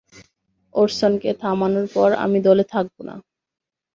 ওরসনকে থামানোর পর, আমি দলে থাকব না।